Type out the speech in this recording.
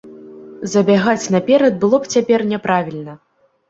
Забягаць наперад было б цяпер няправільна.